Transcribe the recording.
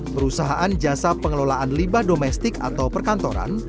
perusahaan jasa pengelolaan limbah domestik atau perkantoran